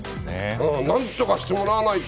何とかしてもらわないと。